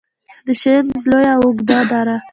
د شنیز لویه او اوږده دره